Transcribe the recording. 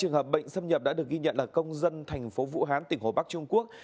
hai trường hợp bệnh xâm nhập đã được ghi nhận là công dân thành phố vũ hán tỉnh hồ bắc trung quốc